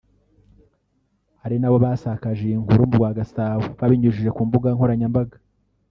ari nabo basakaje iyi nkuru mu rwa Gasabo babinyujije ku mbuga nkoranyambaga